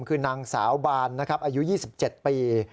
คือนางสาวบานนะครับอายุ๒๗ปี